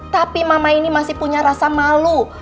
tapi mama ini masih punya rasa malu